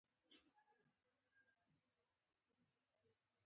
هغه وویل ډېر د خوښۍ ځای دی چې تاسي دلته یاست.